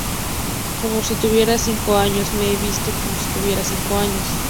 Como si tuviera cinco años, me visto como si tuviera cinco años.